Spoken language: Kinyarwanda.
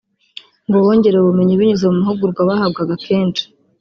ngo bongerewe ubumenyi binyuze mu mahugurwa bahabwaga kenshi